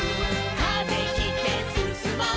「風切ってすすもう」